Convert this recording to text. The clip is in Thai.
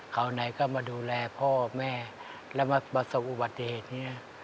ไหนก็มาดูแลพ่อแม่แล้วมาประสบอุบัติเหตุ